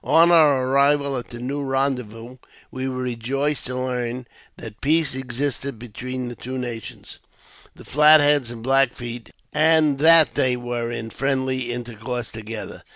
On our arrival at the new rendezvous, we wer( rejoiced to learn that peace existed between the two nations— the Flat Heads and Black Feet, and that they were in friendl) intercourse together.